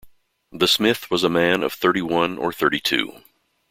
The smith was a man of thirty-one or thirty-two.